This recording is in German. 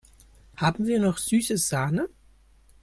Haben wir noch süße Sahne?